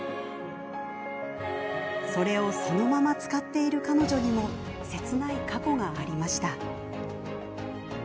それを、そのまま使っている彼女にも切ない過去がありました。